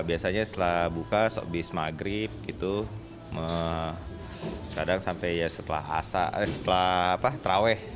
biasanya setelah buka sop bis maghrib itu meh kadang sampai ya setelah asa setelah apa traweh